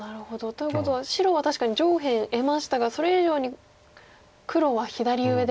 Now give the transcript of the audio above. ということは白は確かに上辺得ましたがそれ以上に黒は左上で。